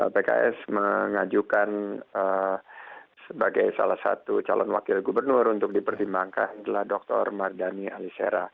pks mengajukan sebagai salah satu calon wakil gubernur untuk dipertimbangkan adalah dr mardhani alisera